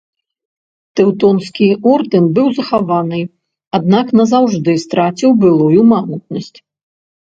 Тэўтонскі ордэн быў захаваны, аднак назаўжды страціў былую магутнасць.